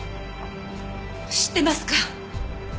知ってますか？